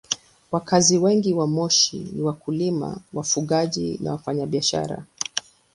Wakazi wengi wa Moshi ni wakulima, wafugaji na wafanyabiashara.